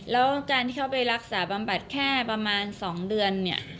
แล้วการที่เขาไปรักษาบำบัดแค่ประมาณ๒เดือนเนี่ย